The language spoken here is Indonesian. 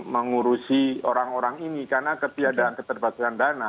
mengurusi orang orang ini karena ketidakpastian dana